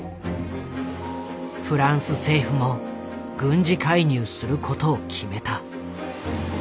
フランス政府も軍事介入することを決めた。